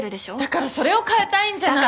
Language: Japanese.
だからそれを変えたいんじゃない！